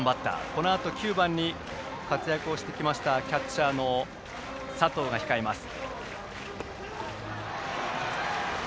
このあと９番に活躍をしてきましたキャッチャーの佐藤が控えます。